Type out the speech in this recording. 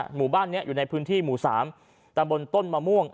หมู่บ้านนี้อยู่ในพื้นที่หมู่๓ตำบลต้นมะม่วง